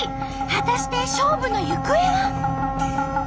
果たして勝負の行方は？